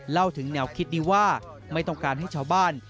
เล่าถึงแนวคิดนี้ว่าไม่ต้องการให้ชาวบ้าน